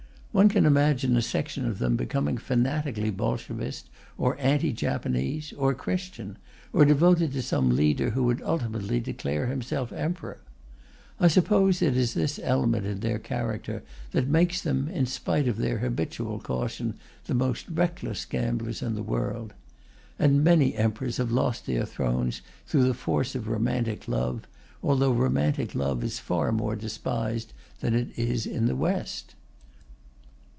One can imagine a section of them becoming fanatically Bolshevist, or anti Japanese, or Christian, or devoted to some leader who would ultimately declare himself Emperor. I suppose it is this element in their character that makes them, in spite of their habitual caution, the most reckless gamblers in the world. And many emperors have lost their thrones through the force of romantic love, although romantic love is far more despised than it is in the West.